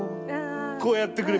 こうやってくれる。